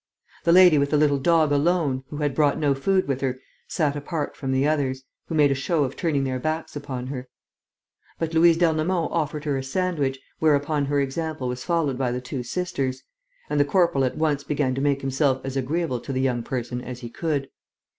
The lady with the little dog alone, who had brought no food with her, sat apart from the others, who made a show of turning their backs upon her. But Louise d'Ernemont offered her a sandwich, whereupon her example was followed by the two sisters; and the corporal at once began to make himself as agreeable to the young person as he could.